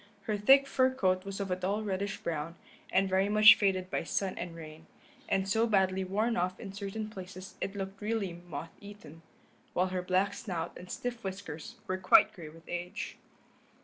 Her thick fur coat was of a dull reddish brown, and very much faded by sun and rain, and so badly worn off in certain places it looked really moth eaten, while her black snout and stiff whiskers were quite gray with age.